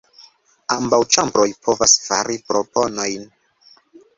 Ambaŭ ĉambroj povas fari proponojn.